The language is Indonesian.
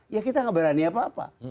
ya kita gak berani apa apa